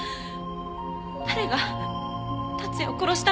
誰が達也を殺したんです？